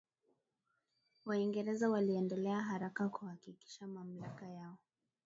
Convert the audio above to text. Waingereza waliendelea haraka kuhakikisha mamlaka yao